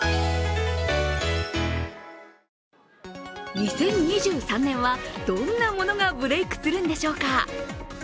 ２０２３年は、どんなものがブレークするんでしょうか。